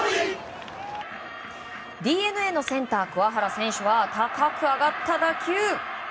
ＤｅＮＡのセンター桑原選手は２回高く上がった打球。